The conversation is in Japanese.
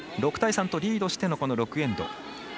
６対３とリードしてのこの６エンド。